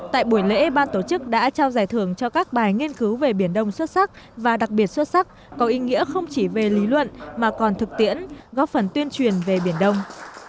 tại buổi lễ ban tổ chức đã trao giải thưởng cho các bài nghiên cứu về biển đông xuất sắc và đặc biệt xuất sắc có ý nghĩa không chỉ về lý luận mà còn thực tiễn góp phần tuyên truyền về biển đông